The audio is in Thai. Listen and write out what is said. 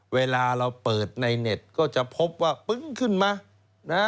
เวลาเราเปิดในเน็ตก็จะพบว่าปึ้งขึ้นมานะ